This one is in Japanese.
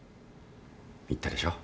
言ったでしょう。